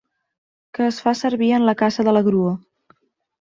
Que es fa servir en la caça de la grua.